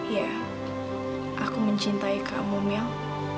ya aku mencintai kamu mil